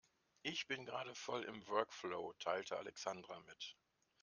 Ich bin gerade voll im Workflow, teilte Alexandra mit.